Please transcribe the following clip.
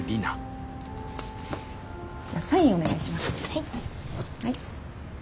はい。